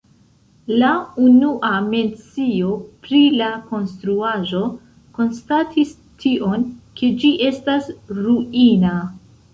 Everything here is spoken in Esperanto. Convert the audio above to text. La unua mencio pri la konstruaĵo konstatis tion, ke ĝi estas ruina.